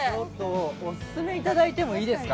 オススメをいただいてもいいですか？